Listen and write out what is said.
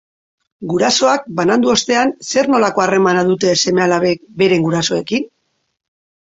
Gurasoak banandu ostean zer-nolako harremana dute seme-alabek beren gurasoekin?